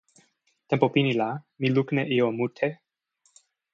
tenpo pini la mi lukin e ijo mute.